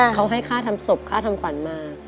เขาให้ค่าทำศพค่าทำขวัญมา